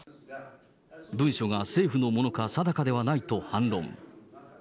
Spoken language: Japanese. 文書が政府のものか定かではないと反論。